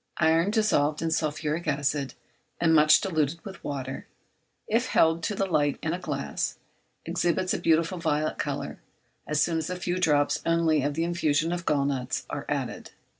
Iron dissolved in sulphuric acid, and much diluted with water, if held to the light in a glass, exhibits a beautiful violet colour as soon as a few drops only of the infusion of gall nuts are added.